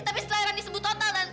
tapi setelah rani sembuh total tante